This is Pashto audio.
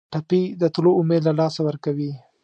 ټپي د تلو امید له لاسه ورکوي.